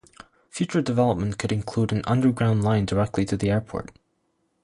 Future development could include an underground line directly to the airport.